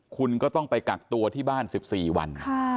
คุณก็ต้องไปกักตัวที่บ้าน๑๔วัน